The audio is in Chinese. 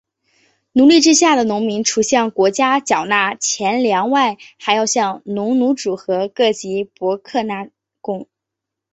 农奴制下的农民除向国家缴纳钱粮外还要向农奴主和各级伯克纳贡。